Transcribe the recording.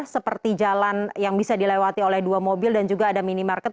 seperti jalan yang bisa dilewati oleh dua mobil dan juga ada minimarket